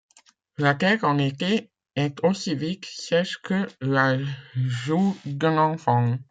La terre en été est aussi vite sèche que la joue d’un enfant.